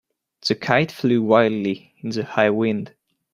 The kite flew wildly in the high wind.